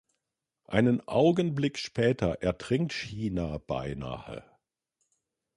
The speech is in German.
Einen Augenblick später ertrinkt Shiina beinahe.